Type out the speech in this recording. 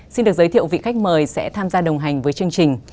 xin được giới thiệu vị khách mời sẽ tham gia đồng hành với chương trình